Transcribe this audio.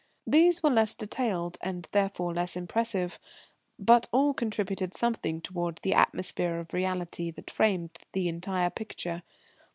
These were less detailed, and therefore less impressive, but all contributed something towards the atmosphere of reality that framed the entire picture.